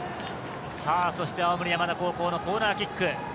青森山田高校のコーナーキック。